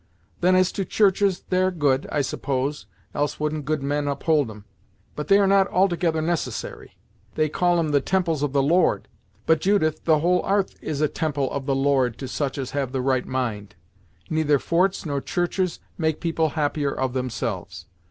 Then as to churches, they are good, I suppose, else wouldn't good men uphold 'em. But they are not altogether necessary. They call 'em the temples of the Lord; but, Judith, the whole 'arth is a temple of the Lord to such as have the right mind. Neither forts nor churches make people happier of themselves.